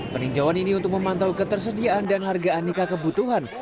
peninjauan ini untuk memantau ketersediaan dan harga aneka kebutuhan